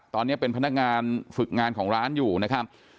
ตอนนี้เป็นพนักงานฝึกงานของร้านอยู่นะครับ